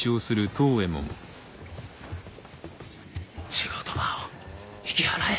仕事場を引き払え。